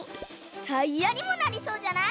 タイヤにもなりそうじゃない？